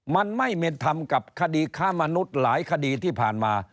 มันไม่เป็นธรรมกับคดีค้ามนุษย์หลายคดีที่ผ่านมา